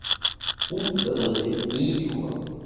Route d'Adriers, L'Isle-Jourdain